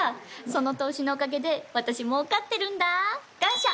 その投資のおかげで私もうかってるんだ。感謝！